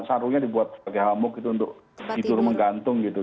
sarungnya dibuat sebagai hamuk gitu untuk tidur menggantung gitu